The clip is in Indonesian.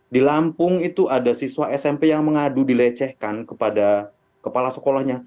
di lampung itu ada siswa smp yang mengadu dilecehkan kepada kepala sekolahnya